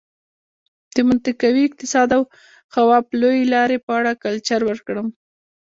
د منطقوي اقتصاد او خواف لویې لارې په اړه لکچر ورکړم.